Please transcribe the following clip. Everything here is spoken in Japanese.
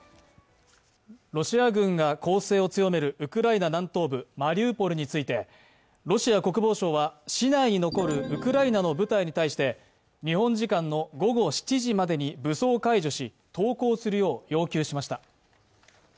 ロシア軍が攻勢を強めるウクライナ南東部マリウポリについてロシア国防省は、市内に残るウクライナの部隊に対して、日本時間の午後７時までに武装解除し、投降するよう要求しました。